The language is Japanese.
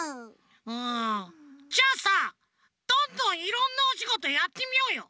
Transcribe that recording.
うんじゃあさどんどんいろんなおしごとやってみようよ。